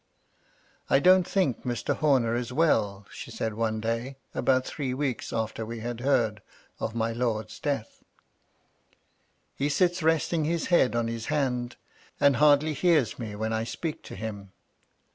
^' I don't think Mr. Homer is well," she said one day, about three weeks after we had heard of my lord's death. ^' He sits resting his head on his hand, and hardly hears me when I speak to him."